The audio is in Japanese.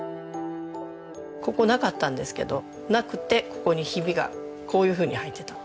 ここなかったんですけどなくてここにヒビがこういうふうに入ってた。